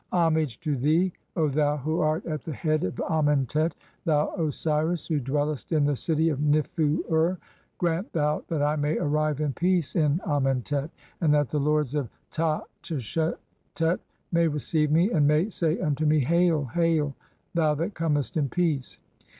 "Homage to thee, O thou who art at the head of Amentet, "thou Osiris who dwellest in the city of Nifu ur. x Grant thou "that I may arrive in peace in Amentet and that the lords of "Ta tchesertet 2 may receive me and may (21) say unto me, 'Hail ! "Hail, [thou that comest] in peace!'